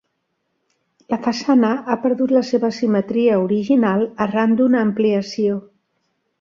La façana ha perdut la seva simetria original arran d'una ampliació.